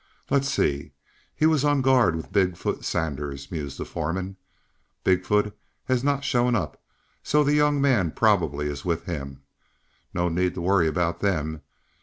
"Let's see. He was on guard with Big foot Sanders," mused the foreman. "Big foot has not shown up, so the young man probably is with him. No need to worry about them.